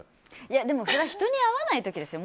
でも、それは人に会わない時ですよ。